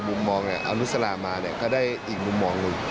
มุมมองอนุสลามาเนี่ยก็ได้อีกมุมมองหนึ่ง